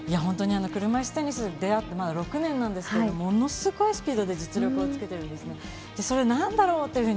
車いすテニスに出合って、６年なんですけれど、ものすごいスピードで実力をつけているんです。